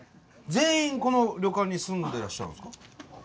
全員この旅館に住んでらっしゃるんですか？